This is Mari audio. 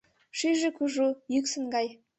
Шӱйжӧ кужу — йӱксын гай.